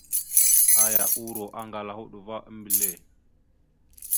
Aya uuro aŋgala a hoɗ va a mbelle.